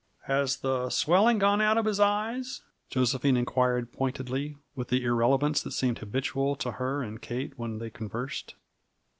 "Has the swelling gone out of his eyes?" Josephine inquired pointedly, with the irrelevance which seemed habitual to her and Kate when they conversed.